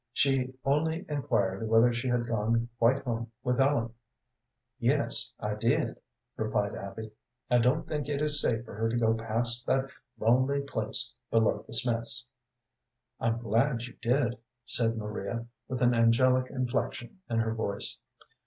She only inquired whether she had gone quite home with Ellen. "Yes, I did," replied Abby. "I don't think it is safe for her to go past that lonely place below the Smiths'." "I'm glad you did," said Maria, with an angelic inflection in her voice.